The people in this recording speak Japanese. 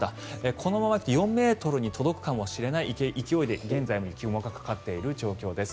このままいくと４ｍに届くかもしれない勢いで現在も雪雲がかかっている状況です。